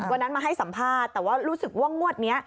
วันนั้นมาให้สัมภาษณ์แต่ว่ารู้สึกว่างวดนี้